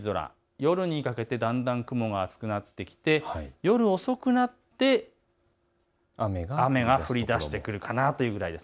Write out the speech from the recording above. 夜にかけてだんだん雲が厚くなってきて、夜遅くなって雨が降りだしてくるかなというくらいです。